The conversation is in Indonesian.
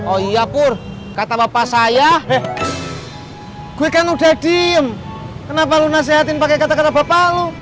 oh iya pur kata bapak saya gue kan udah diem kenapa lo nasehatin pakai kata kata bapak lu